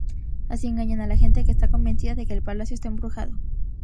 Así engañan a la gente, que está convencida de que el palacio está embrujado.